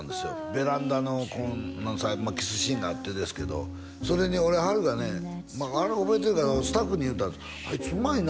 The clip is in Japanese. ベランダのキスシーンがあってですけどそれに俺波瑠がねあれ覚えてるかスタッフに言ったんです「あいつうまいな」